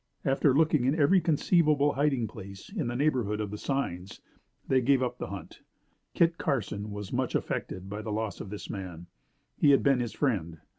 After looking in every conceivable hiding place in the neighborhood of the signs, they gave up the hunt. Kit Carson was much affected by the loss of this man. He had been his friend.